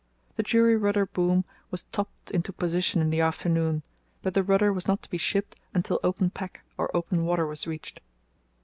The jury rudder boom was topped into position in the afternoon, but the rudder was not to be shipped until open pack or open water was reached.